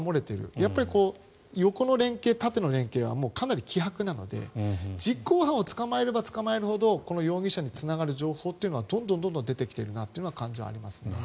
やっぱり横の連携縦の連携はもうかなり希薄なので実行犯を捕まえれば捕まえるほどこの容疑者につながる情報はどんどん出てきているなという感じはありますね。